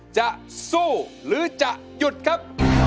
จะสู้หรือจะหยุดครับ